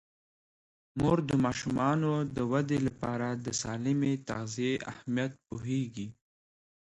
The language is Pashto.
مور د ماشومانو د ودې لپاره د سالمې تغذیې اهمیت پوهیږي.